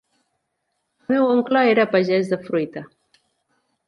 El meu oncle era pagès de fruita.